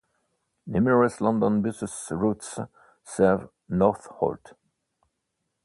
Numerous London Buses routes serve Northolt.